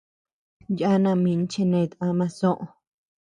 Yana min chenet ama soʼö.